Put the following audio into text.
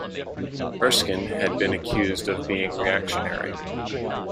Erskine has been accused of being reactionary.